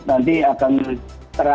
jadi itu adalah hal yang sangat penting